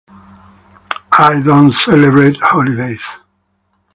I don't celebrate holidays.